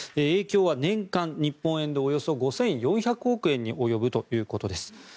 影響は年間日本円でおよそ５４００億円に及ぶということです。